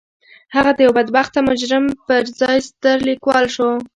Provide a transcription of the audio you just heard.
هغه د يوه بدبخته مجرم پر ځای ستر ليکوال شو.